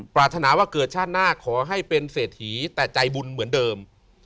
ปรารถนาว่าเกิดชาติหน้าขอให้เป็นเศรษฐีแต่ใจบุญเหมือนเดิม